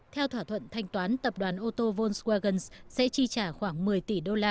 theo thỏa thuận thanh toán tập đoàn ô tô volkswagen sẽ chi trả khoảng một mươi tỷ usd